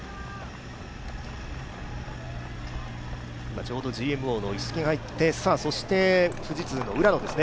ちょうどＧＭＯの一色が入って富士通の浦野ですね。